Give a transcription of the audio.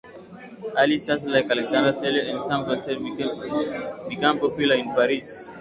Early stars like Alexandre Stellio and Sam Castandet became popular in Paris.